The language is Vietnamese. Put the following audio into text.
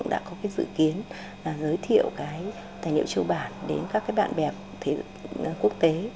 cũng đã có dự kiến giới thiệu tài liệu châu bản đến các bạn bè quốc tế